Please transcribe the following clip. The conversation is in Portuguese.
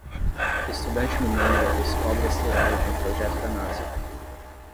Estudante mineira descobre asteroide em projeto da Nasa